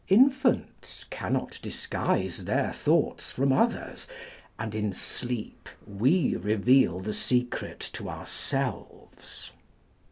Infants cannot disguise their thoughts from others; and in sleep we reveal the secret to ourselves.